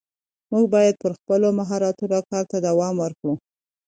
موږ باید پر خپلو مهارتونو کار ته دوام ورکړو